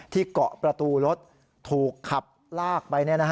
เกาะประตูรถถูกขับลากไป